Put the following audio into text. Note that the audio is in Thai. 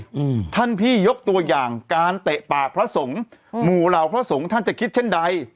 อืมท่านพี่ยกตัวอย่างการเตะปากพระสงฆ์หมู่เหล่าพระสงฆ์ท่านจะคิดเช่นใด